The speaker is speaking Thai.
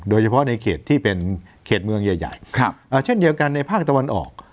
โดยเฉพาะในเขตที่เป็นเขตเมืองใหญ่เช่นเดียวกันในภาคตะวันออก